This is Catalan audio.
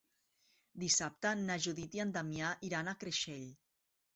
Dissabte na Judit i en Damià iran a Creixell.